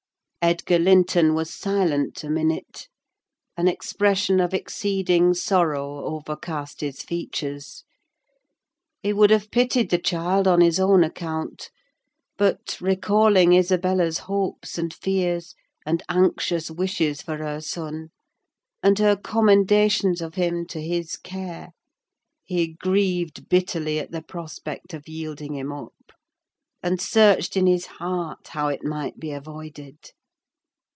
Edgar Linton was silent a minute; an expression of exceeding sorrow overcast his features: he would have pitied the child on his own account; but, recalling Isabella's hopes and fears, and anxious wishes for her son, and her commendations of him to his care, he grieved bitterly at the prospect of yielding him up, and searched in his heart how it might be avoided.